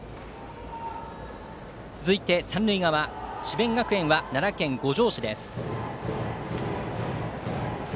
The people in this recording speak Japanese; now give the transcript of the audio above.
続いて、三塁側智弁学園は奈良県五條市です。